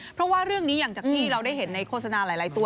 เพราะว่าเรื่องนี้อย่างจากที่เราได้เห็นในโฆษณาหลายตัว